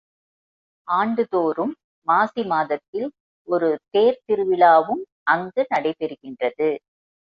ஆண்டு தோறும் மாசி மாதத்தில் ஒரு தேர்த் திருவிழாவும் அங்கு நடைபெறுகின்றது.